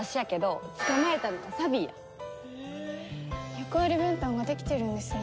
役割分担ができてるんですね。